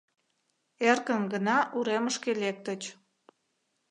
Эркын гына уремышке лектыч.